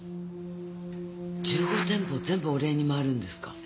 １５店舗全部お礼にまわるんですか？